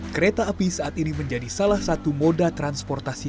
kereta api saat ini menjadi salah satu moda transportasi